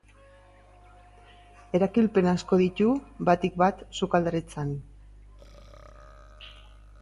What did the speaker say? Erabilpen asko ditu, batik bat sukaldaritzan.